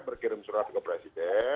berkirim surat ke presiden